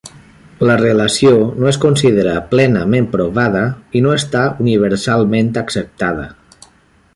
La relació no es considera plenament provada i no està universalment acceptada.